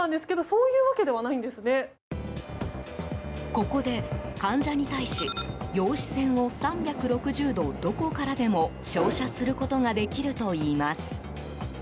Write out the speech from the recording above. ここで、患者に対し陽子線を３６０度どこからでも照射することができるといいます。